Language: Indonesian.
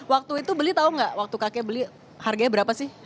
waktu itu beli tahu nggak waktu kakek beli harganya berapa sih